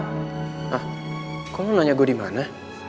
hah kok lo nanya gue dimana